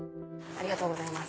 ありがとうございます。